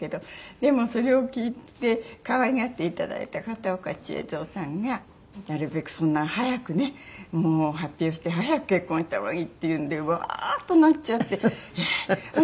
でもそれを聞いて可愛がっていただいた片岡千恵蔵さんがなるべくそんな早くねもう発表して早く結婚した方がいいって言うんでウワーッとなっちゃってえっ